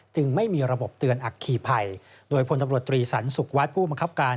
จึงไม่มีระบบเตือนอัคคีภัยโดยพลตำรวจตรีสันสุขวัดผู้บังคับการ